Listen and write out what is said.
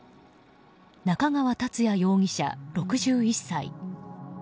中川達也容疑者、６１歳。